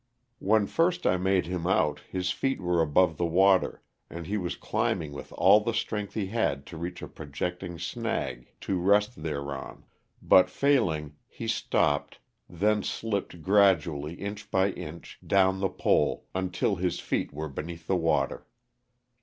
When first 1 made him out his feet were above the water, and he was climbing with all the strength he had to reach a projecting snag to rest thereon ; but failing, he stopped, then slipped LOSS OF THE SULTANA. 121 gradually, inch by inch, down the pole until his feet were beneath the water.